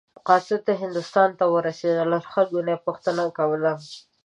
قاصد هندوستان ته ورسېده له خلکو نه پوښتنه کوله.